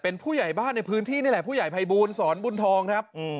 เป็นผู้ใหญ่บ้านในพื้นที่นี่แหละผู้ใหญ่ภัยบูลสอนบุญทองครับ